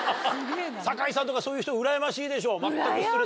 酒井さんとかそういう人うらやましいでしょ？